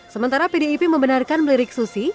sementara pdip membenarkan melirik susi